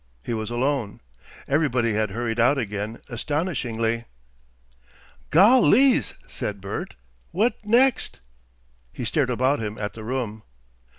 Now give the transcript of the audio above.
He was alone. Everybody had hurried out again astonishingly. "Gollys!" said Bert. "What next?" He stared about him at the room.